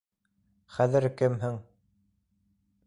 Хәҙер кемһең?